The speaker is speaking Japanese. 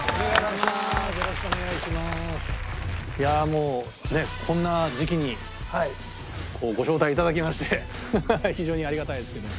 いやあもうねこんな時期にご招待いただきまして非常にありがたいですけども。